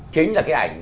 chính là cái ảnh